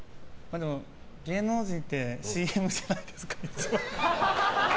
芸能人ってＣＭじゃないですか？